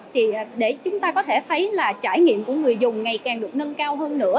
thì để chúng ta có thể thấy là trải nghiệm của người dùng ngày càng được nâng cao hơn nữa